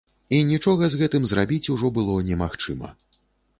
І нічога з гэтым зрабіць ужо было немагчыма.